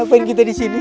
ngapain kita disini